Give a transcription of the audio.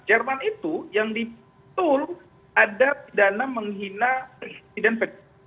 jerman itu yang di tool ada pidana menghina presiden v